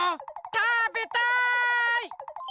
たべたい！